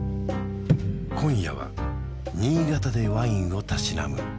今夜は新潟でワインをたしなむ